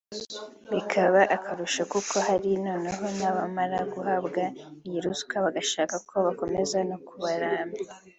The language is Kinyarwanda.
bikaba akarusho kuko hari noneho n’abamara guhabwa iyi ruswa bagashaka ko dukomeza no kubaramya